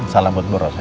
salam untuk morosnya ya